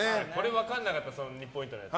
分かんなかった２ポイントのやつ。